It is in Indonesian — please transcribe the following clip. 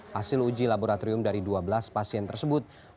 hasil uji laboratorium dari dua belas pasien tersebut